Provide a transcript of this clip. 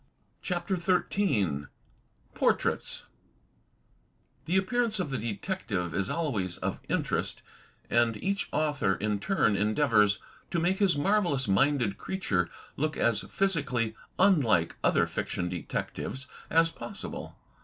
CHAPTER XIII PORTRAITS The appearance of the detective is always of interest and each author in turn endeavors to make his marvelous minded creature look as physically imlike other fiction detectives as possible.